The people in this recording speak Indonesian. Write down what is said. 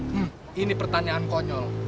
hmm ini pertanyaan konyol